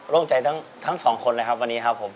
ใจทั้งสองคนเลยครับวันนี้ครับผม